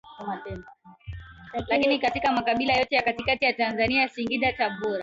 lakini katika Makabila yote ya katikati ya Tanzania Singida Tabora